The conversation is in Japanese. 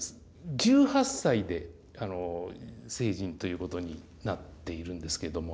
１８歳で成人ということになっているんですけれども。